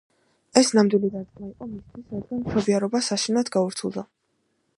ეს ნამდვილი დარტყმა იყო მისთვის, რადგან მშობიარობა საშინლად გართულდა.